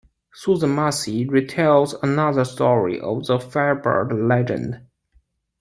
Suzanne Massie retells another story of the Firebird legend.